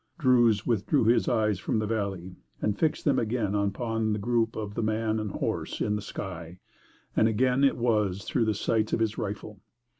Druse withdrew his eyes from the valley and fixed them again upon the group of man and horse in the sky, and again it was through the sights of his rifle.